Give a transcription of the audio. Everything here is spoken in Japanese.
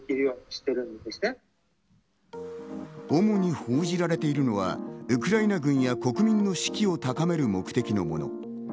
主に報じられているのは、ウクライナ軍や国民の士気を高める目的のもの。